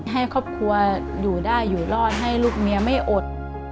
ให้ครอบครัวอยู่ได้อยู่รอดให้ลูกเมียไม่อด